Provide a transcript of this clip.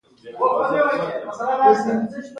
ښوونځی د هېواد خدمت ته چمتو کوي